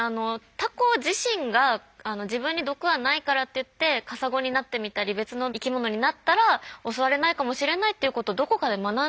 タコ自身が自分に毒はないからっていってカサゴになってみたり別の生きものになったら襲われないかもしれないっていうことをどこかで学んでるってことですもんね。